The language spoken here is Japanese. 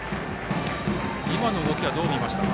今の動きはどう見ましたか？